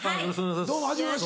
どうもはじめまして。